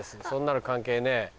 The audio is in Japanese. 「そんなの関係ねぇ！」。